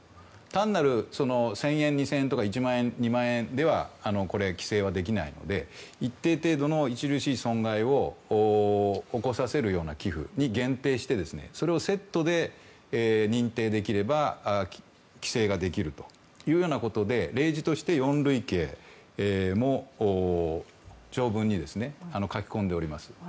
単なる１０００円、２０００円１万、２万とかでは規制はできないので一定程度の著しい損害を起こさせるような寄付に限定してそれをセットで認定できれば規制ができるというようなことで例示として条文に書き込んでおります。